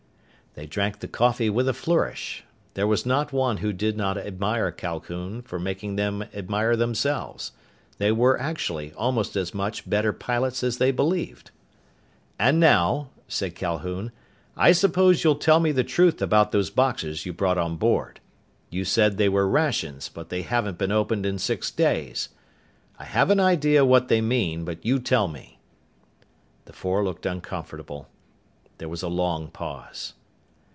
They drank the coffee with a flourish. There was not one who did not admire Calhoun for having made them admire themselves. They were, actually, almost as much better pilots as they believed. "And now," said Calhoun, "I suppose you'll tell me the truth about those boxes you brought on board. You said they were rations, but they haven't been opened in six days. I have an idea what they mean, but you tell me." The four looked uncomfortable. There was a long pause.